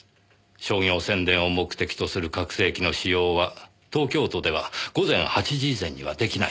商業宣伝を目的とする拡声器の使用は東京都では午前８時以前にはできないんです。